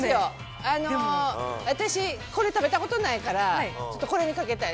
私、これ食べたことないから、これに賭けたい。